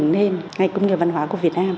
nên ngành công nghiệp văn hóa của việt nam